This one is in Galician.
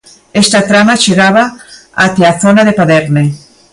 Esta trama chegaba até a zona de Paderne.